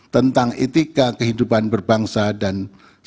tentang etika kehidupan berbangsa dan semangat